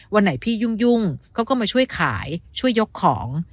วันไหนพี่ยุ่งเขาก็มาช่วยขายช่วยยกของ